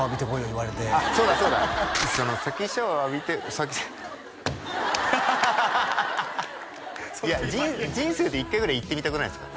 言われてそうだそうだ先シャワー浴びていや人生で一回ぐらい言ってみたくないですか？